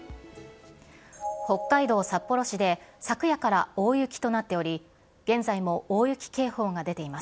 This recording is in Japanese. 北海道札幌市で、昨夜から大雪となっており、現在も大雪警報が出ています。